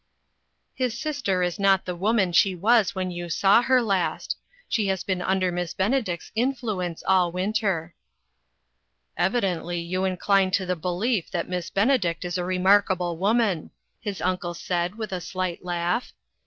His sister is not the woman she was when you saw her last. She has been un der Miss Benedict's influence all winter." " Evidently you incline to the belief that Miss Benedict is a remarkable woman," his uncle said, with a slight laugh.